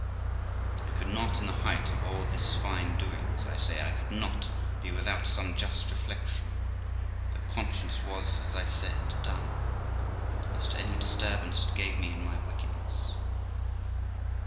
I could not, in the height of all this fine doings I say, I could not be without some just reflection, though conscience was, as I said, dumb, as to any disturbance it gave me in my wickedness.